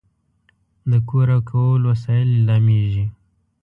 د کور او کهول وسایل لیلامېږي.